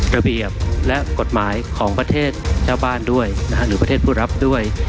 ระเบียบและกฎหมายของประเทศเจ้าบ้านด้วยหรือประเทศผู้รับด้วย